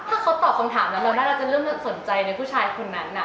ถ้าเขาตอบคำถามแล้วเราน่าจะเริ่มสนใจในผู้ชายคนนั้น